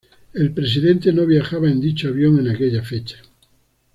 El Presidente no viajaba en dicho avión en aquella fecha.